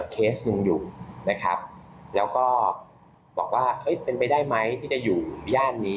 เคสหนึ่งอยู่นะครับแล้วก็บอกว่าเฮ้ยเป็นไปได้ไหมที่จะอยู่ย่านนี้